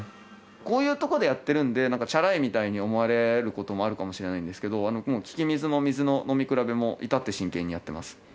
こういうとこでやってるんでチャラいみたいに思われる事もあるかもしれないんですけど利き水の水の飲み比べも至って真剣にやってます。